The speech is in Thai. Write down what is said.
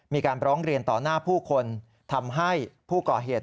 มีการร้องเรียนต่อหน้าผู้คนทำให้ผู้ก่อเหตุ